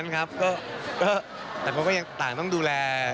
ทุกนันครับก็เร่อแต่พวกเขายังต่างต้องดูแล